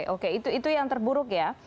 oke itu yang terburuk ya